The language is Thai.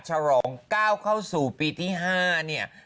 ฉลองก้าวเข้าสู่ปีที่๕เนี่ย